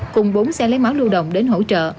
cùng bốn xe lấy máu lưu động đến hỗ trợ